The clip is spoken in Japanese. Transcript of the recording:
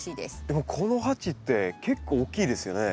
でもこの鉢って結構大きいですよね。